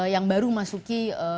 yang baru masuk ke